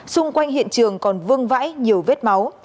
xung quanh hiện trường còn vương vãi nhiều vết máu